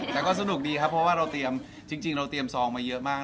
แต่ก็สนุกดีพอเราเตรียมซองมาเยอะมาก